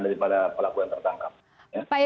daripada pelaku yang tertangkap